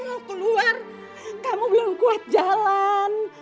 kalau keluar kamu belum kuat jalan